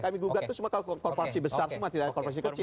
kami gugat itu semua kalau korporasi besar semua tidak ada korporasi kecil